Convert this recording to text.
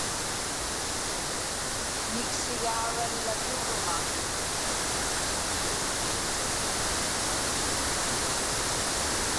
Niksigaurallaturuŋa.